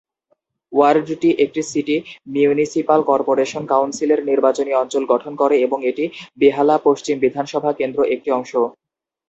ওয়ার্ডটি একটি city municipal corporation কাউন্সিলের নির্বাচনী অঞ্চল গঠন করে এবং এটি বেহালা পশ্চিম বিধানসভা কেন্দ্র একটি অংশ।